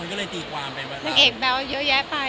นางเอกแบ๊วเยอะแยะไป